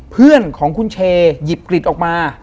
เพื่อนของคุณเชหยิบกลิดออกมา